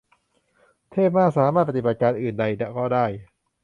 เทพมาก สามารถ "ปฏิบัติการอื่นใด" ก็ได้